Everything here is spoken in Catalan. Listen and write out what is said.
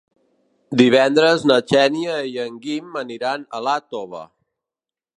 Divendres na Xènia i en Guim aniran a Iàtova.